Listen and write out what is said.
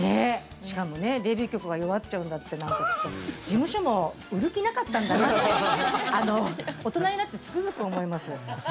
しかも、デビュー曲が「弱っちゃうんだ」って事務所も売る気なかったんだって大人になってつくづく思います。